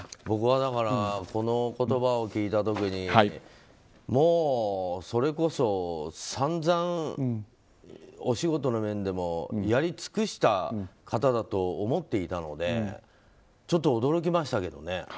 僕は、この言葉を聞いた時にもうそれこそ散々お仕事の面でもやりつくした方だと思っていたのでちょっと驚きましたけどね。